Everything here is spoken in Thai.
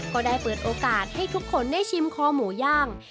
ก็ได้เปิดโอกาสให้ทุกคนได้ชิมคอหมูย่าง